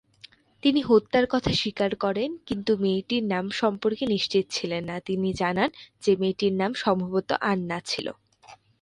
তিনি হত্যার কথা স্বীকার করেন কিন্তু মেয়েটির নাম সম্পর্কে নিশ্চিত ছিলেন না, তিনি জানান যে মেয়েটির নাম সম্ভবত "আন্না" ছিল।